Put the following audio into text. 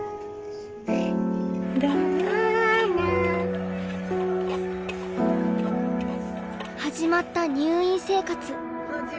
「ラララ」始まった入院生活。